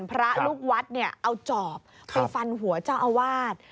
พระลูกวัดเนี่ยเอาจอบไปฟันหัวเจ้าอาวาส